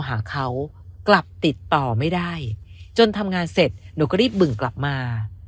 หาเขากลับติดต่อไม่ได้จนทำงานเสร็จหนูก็รีบบึ่งกลับมา